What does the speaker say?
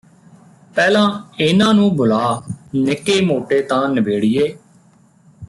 ਪਹਿਲਾਂ ਇਹਨਾਂ ਨੂੰ ਬੁਲਾ ਨਿੱਕੇ ਮੋਟੇ ਤਾਂ ਨਿਬੇੜੀਏ